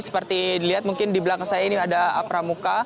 seperti dilihat mungkin di belakang saya ini ada pramuka